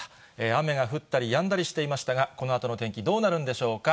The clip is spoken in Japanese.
雨が降ったりやんだりしていましたが、このあとの天気、どうなるんでしょうか。